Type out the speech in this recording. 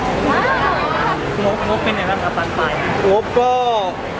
งบเป็นไหนครับป่างไป